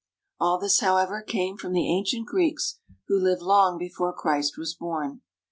All this, however, came from the ancient Greeks, who lived long before Christ was born.